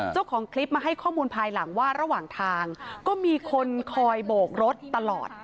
เจ้าของคลิปมาให้ข้อมูลภายหลังว่าระหว่างทางก็มีคนคอยโบกรถตลอด